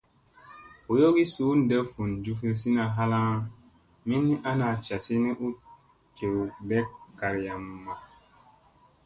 Boyogii suu ɗef vun jufyusina halaŋ min ni ana casi ni u jewɗek garyamma.